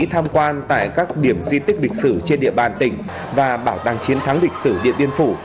tham quan tại các điểm di tích lịch sử trên địa bàn tỉnh và bảo tàng chiến thắng lịch sử điện biên phủ